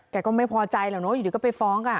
แกก็ไม่พอใจแล้วเนอะอยู่ดีกว่าไปฟ้อง